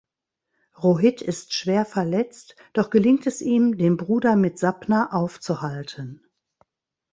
Rohit ist schwer verletzt, doch gelingt es ihm, den Bruder mit Sapna aufzuhalten.